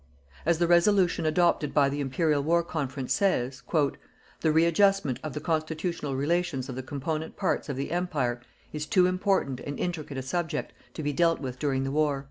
As the "Resolution" adopted by the Imperial War Conference says, "the readjustment of the constitutional relations of the component parts of the Empire is too important and intricate a subject to be dealt with during the war."